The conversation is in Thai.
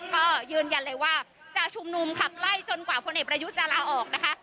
ก็ยืนยันเลยว่าจะชุมนุมขับไล่จนกว่าพลเอกประยุทธ์จะลาออกนะคะ